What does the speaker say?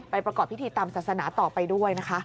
ประกอบพิธีตามศาสนาต่อไปด้วยนะคะ